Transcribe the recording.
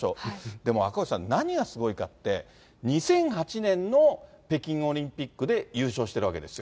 でも赤星さん、何がすごいかって、２００８年の北京オリンピックで優勝してるわけですよ。